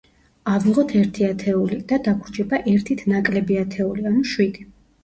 ავიღოთ ერთი ათეული, და დაგვრჩება ერთით ნაკლები ათეული, ანუ შვიდი.